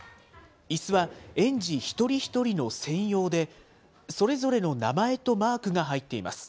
いすは園児一人一人の専用で、それぞれの名前とマークが入っています。